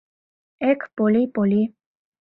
Эк, Поли, Поли!